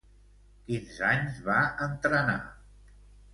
Quins anys va entrenar?